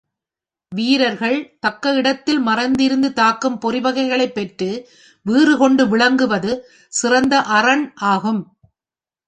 வீரர்கள் தக்க இடத்தில் மறைந்திருந்து தாக்கும் பொறிவகைகளைப் பெற்று வீறுகொண்டு விளங்குவது சிறந்த அரண் ஆகும்.